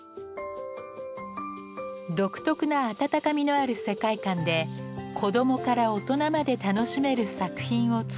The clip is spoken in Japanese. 独特な温かみのある世界観で子供から大人まで楽しめる作品を作っています。